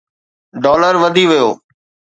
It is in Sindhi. ڊالر وڌي ويو